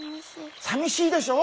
さみしいでしょ？